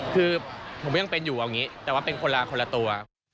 คือผมก็ยังเป็นอยู่เอาอย่างนี้แต่ว่าเป็นคนละคนละตัว